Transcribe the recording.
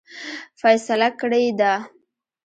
فیصله کړې ده.